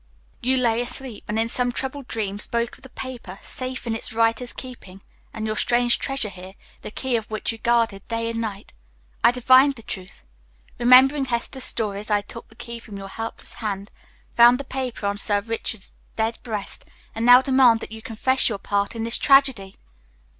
You lay asleep, and in some troubled dream spoke of the paper, safe in its writer's keeping, and your strange treasure here, the key of which you guarded day and night. I divined the truth. Remembering Hester's stories, I took the key from your helpless hand, found the paper on Sir Richard's dead breast, and now demand that you confess your part in this tragedy."